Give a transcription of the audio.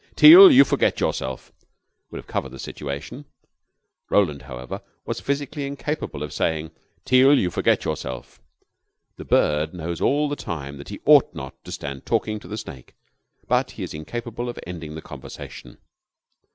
"Teal, you forget yourself!" would have covered the situation. Roland, however, was physically incapable of saying "Teal, you forget yourself!" The bird knows all the time that he ought not to stand talking to the snake, but he is incapable of ending the conversation.